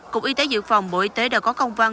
cục y tế dự phòng bộ y tế đã có công văn